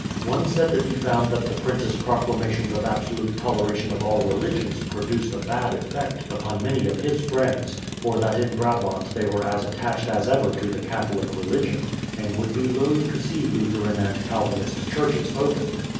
One said that he found that the prince's proclamations of absolute toleration of all religions produced a bad effect upon many of his friends, for that in Brabant they were as attached as ever to the Catholic religion, and would be loath to see Lutheran and Calvinist churches opened.